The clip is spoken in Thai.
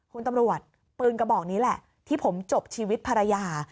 คุณตำรวจปืนกระบอกนี้แหละที่ผมจบชีวิตภรรยา